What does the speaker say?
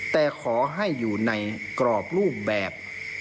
แต่ขอให้อยู่ในกรอบรูปแบบ